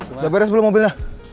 udah beres belum mobilnya